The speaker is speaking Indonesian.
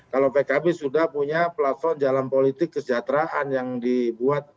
kalau pkb sudah punya platform jalan politik kesejahteraan yang dibuat